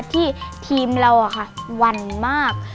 ที่ทีมเราอะค่ะหวั่นมาก